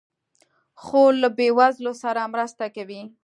خور له بېوزلو سره مرسته کوي.